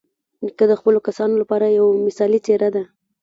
نیکه د خپلو کسانو لپاره یوه مثالي څېره ده.